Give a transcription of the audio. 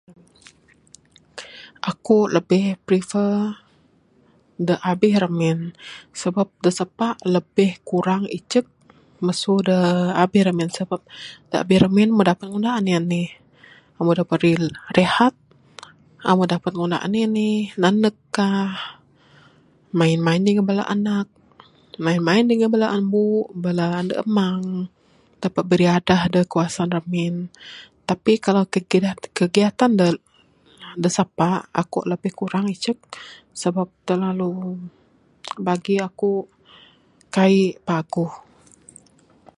Aku lebih prefer dak abih remin, sabab dak sepa lebih kurang icek mesu dak abih ramin sabab da abih ramin mu dapat ngundah anih anih mu ira peli rehat mu dapat ngundah enih enih nanek ka, main main dengan bala anak anak, main main dengan bala umbu, bala ande amang dapat biriadah dak kawasan remin. Tapi kalau kegiatan dak sepa aku lebih kurang icek sabab telalu bagi aku kai paguh.